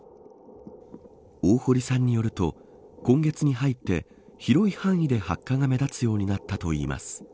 大堀さんによると今月に入って、広い範囲で白化が目立つようになったといいます。